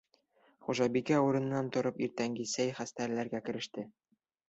Хужабикә урынынан тороп иртәнге сәй хәстәрләргә кереште.